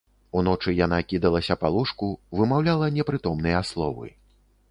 Уночы яна кідалася па ложку, вымаўляла непрытомныя словы.